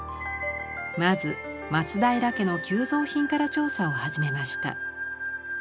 まず松平家の旧蔵品から調査を始めました。